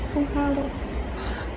không sao đâu